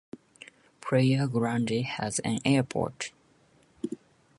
Playa Grande has an airport.